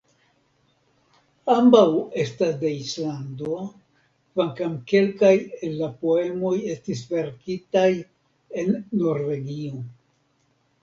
Ambaŭ estas de Islando, kvankam kelkaj el la poemoj estis verkitaj en Norvegio.